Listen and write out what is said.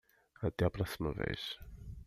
Até a próxima vez.